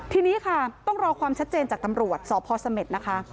ทีนี้ค่ะต้องรอความชัดเจนจากตำรวจสพเสม็ดนะคะ